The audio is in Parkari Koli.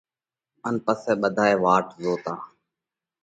ان پسئہ ٻڌائي واٽ زوتا۔